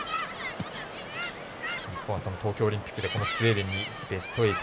日本は東京オリンピックでこのスウェーデンにベスト８。